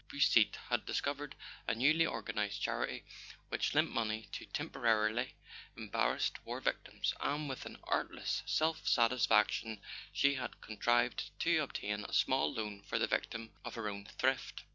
Beausite had discovered a newly organized charity which lent money to "temporarily [ 198 ] A SON AT THE FRONT embarrassed" war victims; and with an artless self satisfaction she had contrived to obtain a small loan for the victim of her own thrift.